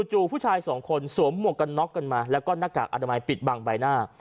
จู่ผู้ชายสองคนสวมหมวกกันน็อกกันมาแล้วก็หน้ากากอนามัยปิดบังใบหน้า